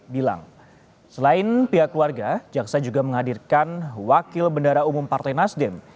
bilang selain pihak keluarga jaksa juga menghadirkan wakil bendara umum partai nasdem